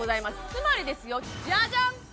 つまりですよジャジャン！